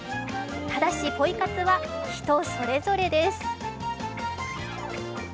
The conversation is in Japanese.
ただし、ポイ活は人それぞれです。